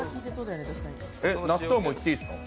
納豆もいっていいですか？